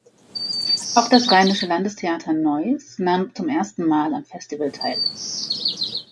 Auch das Rheinische Landestheater Neuss nahm zum ersten Mal am Festival teil.